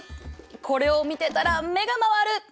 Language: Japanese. これを見てたら目が回る！